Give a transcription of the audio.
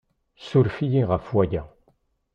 Ssuref-iyi ɣef waya.